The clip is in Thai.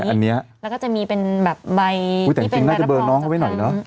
แล้วก็จะมีเป็นแบบใบที่เป็นแบบรับรองจัดพันธุ์อื้อแต่จริงน่าจะเบิ้ลน้องเข้าไว้หน่อยเนอะ